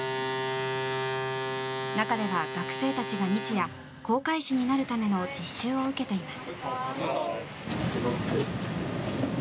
中では、学生たちが日夜航海士になるための実習を受けています。